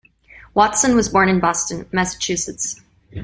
Watson was born in Boston, Massachusetts.